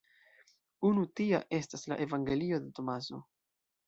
Unu tia estas la evangelio de Tomaso.